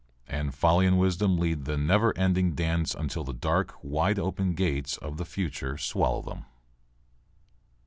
And folly and wisdom lead the never ending dance until the dark, wide open gates of the future swallow them.